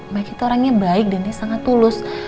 mike itu orangnya baik dan dia sangat tulus